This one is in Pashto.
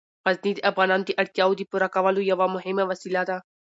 غزني د افغانانو د اړتیاوو د پوره کولو یوه مهمه وسیله ده.